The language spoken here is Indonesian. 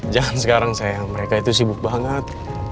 jangan sekarang saya mereka itu sibuk banget